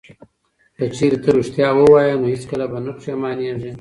که چیرې ته ریښتیا ووایې نو هیڅکله به نه پښیمانیږې.